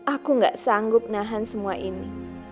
aku gak sanggup nahan semua ini